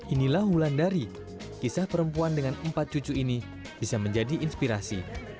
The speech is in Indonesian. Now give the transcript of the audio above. inilah wulandari kisah perempuan dengan empat cucu ini bisa menjadi inspirasi